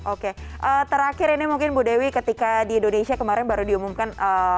oke terakhir ini mungkin bu dewi ketika di indonesia kemarin baru diumumkan